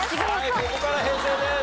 ここから平成です。